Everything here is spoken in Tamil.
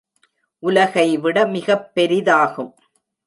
உலகைவிட மிகப் பெரிதாகும்.